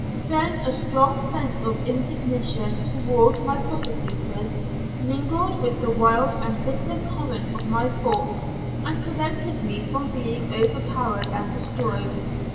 Then a strong sense of indignation towards my prosecutors mingled with the wild and bitter current of my thoughts, and prevented me from being overpowered and destroyed.